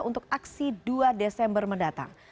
untuk aksi dua desember mendatang